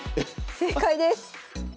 正解です。